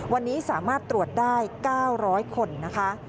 วันนี้สามารถตรวจได้๙๐๐คนนะคะ